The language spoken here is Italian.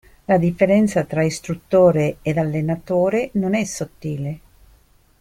La differenza tra istruttore ed allenatore non è sottile.